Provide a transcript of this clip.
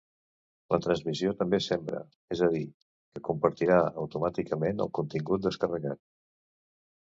La transmissió també sembra, és a dir, que compartirà automàticament el contingut descarregat.